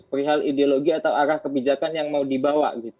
perihal ideologi atau arah kebijakan yang mau dibawa